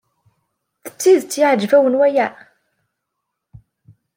D tidet iɛjeb-awen waya?